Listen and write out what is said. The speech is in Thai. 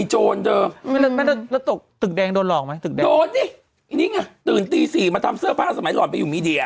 แล้วตกตึกแดงโดนหลอกไหมตึกแดงโดนดินี่ไงตื่นตี๔มาทำเสื้อผ้าสมัยก่อนไปอยู่มีเดีย